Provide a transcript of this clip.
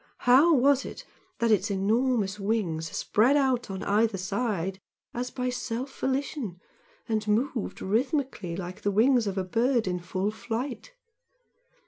How was it that its enormous wings spread out on either side as by self volition and moved rhythmically like the wings of a bird in full flight?